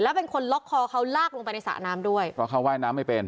แล้วเป็นคนล็อกคอเขาลากลงไปในสระน้ำด้วยเพราะเขาว่ายน้ำไม่เป็น